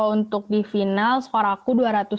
untuk di final skor aku dua ratus empat puluh enam lima